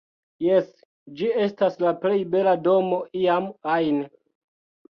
Jes, ĝi estas la plej bela domo iam ajn